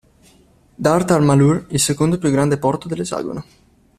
Durtar Malur, il secondo più grande porto dell'esagono.